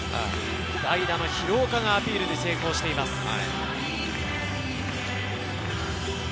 代打の廣岡がアピールに成功しています。